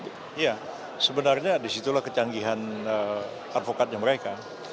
iya sebenarnya disitulah kecanggihan advokatnya mereka